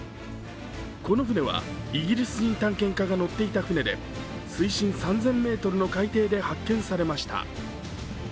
この船は、イギリス人探検家が乗っていた船で水深３０００ｍの海底で発見されました。